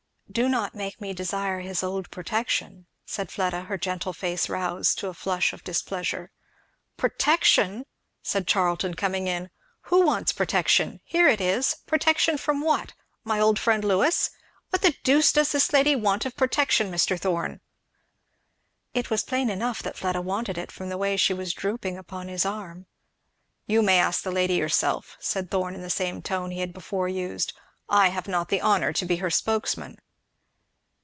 "Do not make me desire his old protection," said Fleda, her gentle face roused to a flush of displeasure. "Protection!" said Charlton coming in, "who wants protection? here it is protection from what? my old friend Lewis? what the deuce does this lady want of protection, Mr. Thorn?" It was plain enough that Fleda wanted it, from the way she was drooping upon his arm. "You may ask the lady herself," said Thorn, in the same tone he had before used, "I have not the honour to be her spokesman."